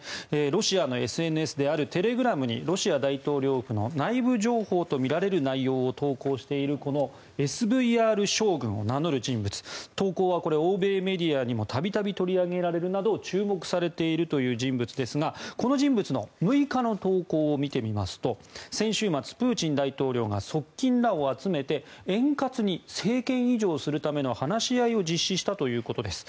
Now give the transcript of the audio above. ロシアのＳＮＳであるテレグラムにロシア大統領府の内部情報とみられる内容を投稿しているこのＳＶＲ将軍を名乗る人物投稿は欧米メディアにも度々取り上げられるなど注目されているという人物ですがこの人物の６日の投稿を見てみますと先週末、プーチン大統領が側近らを集めて円滑に政権移譲するための話し合いを実施したということです。